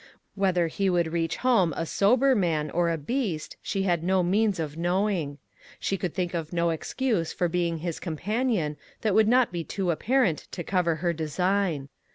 Whether he would reach home a sober man or a beast, she had no means "LABORERS TOGETHER. 229 of knowing. She could think of no ex cuse for being his companion that would not be too apparent to cover her design.